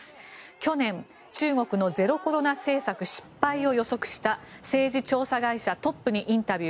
去年、中国のゼロコロナ政策失敗を予測した政治調査会社トップにインタビュー。